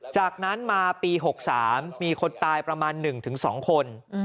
จากนั้นมาปี๖๓มีคนตายประมาณ๑๒คน